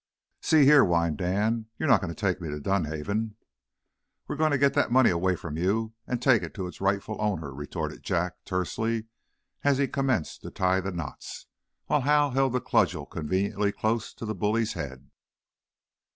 "See here," whined Dan, "you're not going to take me to Dunhaven?" "We're going to get that money away from you, and take it to its rightful owner," retorted Jack, tersely, as he commenced to tie the knots, while Hal held the cudgel conveniently close to the bully's head.